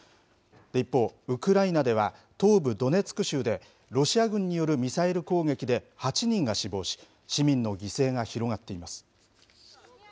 一方、ウクライナでは、東部ドネツク州で、ロシア軍によるミサイル攻撃で８人が死亡し、市民の犠牲が広がっています。